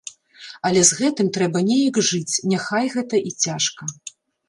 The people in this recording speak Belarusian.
Але з гэтым трэба неяк жыць, няхай гэта і цяжка.